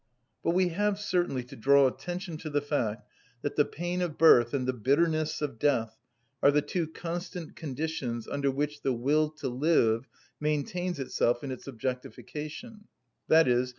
But we have certainly to draw attention to the fact that the pain of birth and the bitterness of death are the two constant conditions under which the will to live maintains itself in its objectification, _i.e.